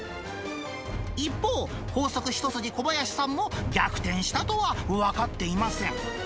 一方、高速一筋、小林さんも、逆転したとは分かっていません。